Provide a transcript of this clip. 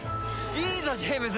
いいぞジェームズ